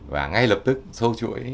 và ngay lập tức sâu chuỗi